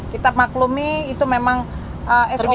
kita maklumi itu memang sop